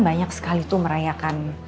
banyak sekali tuh merayakan